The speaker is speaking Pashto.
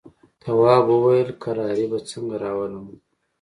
تواب وويل: کراري به څنګه راولم.